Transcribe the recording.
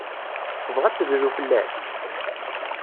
Tebɣa ad tedlu fell-as?